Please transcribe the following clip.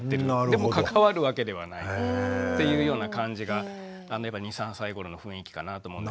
でも関わるわけではないというような感じが２３歳ごろの雰囲気かなと思うんですよね。